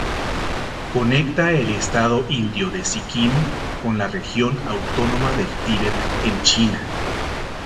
Conecta el estado indio de Sikkim con la Región Autónoma del Tíbet en China.